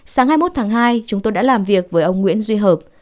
sáng hai mươi một tháng hai chúng tôi đã làm việc với ông nguyễn duy hợp